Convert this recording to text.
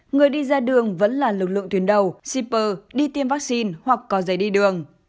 người đi ra đường vẫn là lực lượng thuyền đầu shipper đi tiêm vaccine hoặc có giấy đi đường